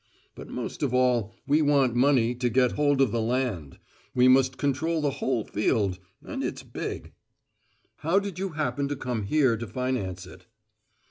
But most of all we want money to get hold of the land; we must control the whole field, and it's big!" "How did you happen to come here to finance it?"